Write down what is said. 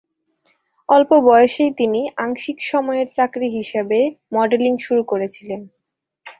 অল্প বয়সেই তিনি আংশিক সময়ের চাকরি হিসেবে মডেলিং শুরু করেছিলেন।